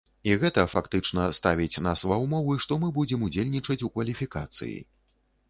І гэта, фактычна, ставіць нас ва ўмовы, што мы будзем удзельнічаць у кваліфікацыі.